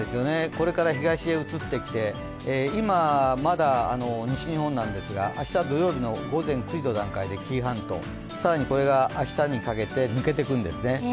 これから東へ移ってきて、今まだ西日本なんですが明日、土曜日の午前９時の段階で紀伊半島、更にこれが明日にかけて抜けていくんですね。